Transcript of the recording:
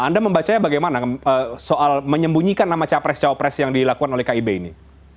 anda membacanya bagaimana soal menyembunyikan nama capres capres yang dilakukan oleh kib ini